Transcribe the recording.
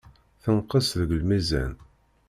Tenqes deg lmizan.